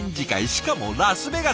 しかもラスベガス！